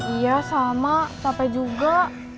iya sama capek juga